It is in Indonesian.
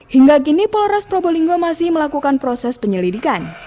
hingga kini polres probolinggo masih melakukan proses penyelidikan